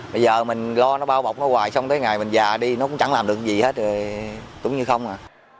bây giờ mình lo nó bao bọc nó hoài xong tới ngày mình già đi nó cũng chẳng làm được gì hết rồi cũng như không à